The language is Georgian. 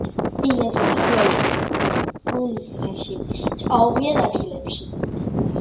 ბინადრობს ველებზე, ტუნდრაში, ჭაობიან ადგილებში.